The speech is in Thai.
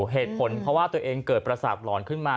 เหตุผลเพราะว่าตัวเองเกิดประสาทหลอนขึ้นมา